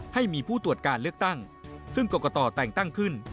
ให้มีผู้ตรวจการเลือกตั้งซึ่งกรกตแต่งตั้งขึ้น